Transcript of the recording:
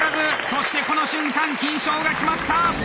そしてこの瞬間金賞が決まった！